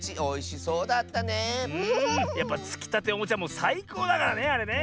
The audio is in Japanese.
やっぱつきたておもちはもうさいこうだからねあれね。